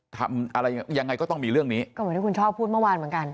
ทำอะไรยังไงก็ต้องมีเรื่องนี้ก็เหมือนที่คุณชอบพูดเมื่อวานเหมือนกัน